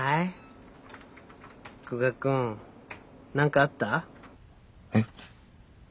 久我君何かあった？え？